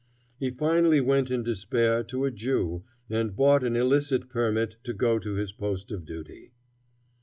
He finally went in despair to a Jew, and bought an illicit permit to go to his post of duty.